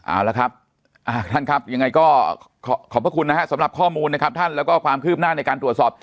เอาละครับท่านครับยังไงก็ขอบพระคุณนะฮะสำหรับข้อมูลนะครับท่านแล้วก็ความคืบหน้าในการตรวจสอบ